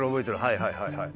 はいはいはいはい。